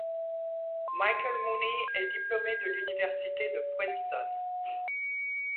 Michael Mooney est diplômé de l'université de Princeton.